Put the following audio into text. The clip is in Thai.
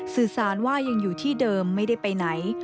สื่อสารว่ายังอยู่ที่เดิมไม่ได้ไปไหน